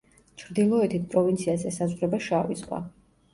ჩრდილოეთით პროვინციას ესაზღვრება შავი ზღვა.